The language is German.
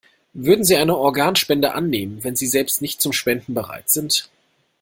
Würden Sie eine Organspende annehmen, wenn Sie selbst nicht zum Spenden bereit sind?